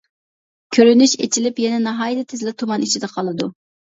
كۆرۈنۈش ئېچىلىپ يەنە ناھايىتى تېزلا تۇمان ئىچىدە قالىدۇ.